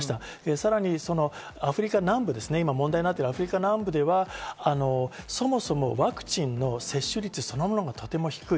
さらにアフリカ南部、問題になっているアフリカ南部では、そもそもワクチンの接種率そのものがとても低い。